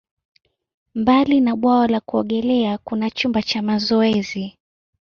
Mbali na bwawa la kuogelea, kuna chumba cha mazoezi.